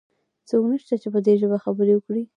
څوک نشته چې په دي ژبه خبرې وکړي؟